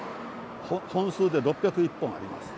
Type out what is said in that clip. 本数で６０１本あります。